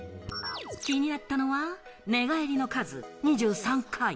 気になったのは寝返りの数、２３回。